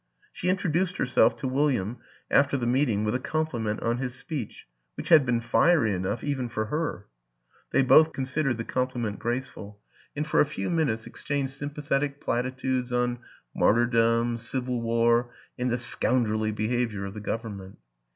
She introduced herself to William after the meeting with a compliment on his speech, which had been fiery enough even for her; they both considered the compliment graceful and for a few WILLIAM AN ENGLISHMAN 21 minutes exchanged sympathetic platitudes on martyrdom, civil war and the scoundrelly be havior of the Government.